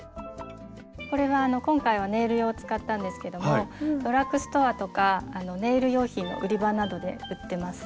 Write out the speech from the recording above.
これは今回はネイル用を使ったんですけどもドラッグストアとかネイル用品の売り場などで売ってます。